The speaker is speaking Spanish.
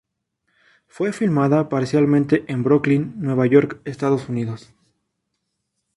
Fue filmada parcialmente en Brooklyn, Nueva York, Estados Unidos.